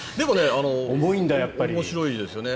面白いですよね。